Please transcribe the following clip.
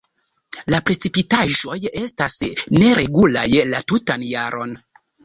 La precipitaĵoj estas neregulaj la tutan jaron.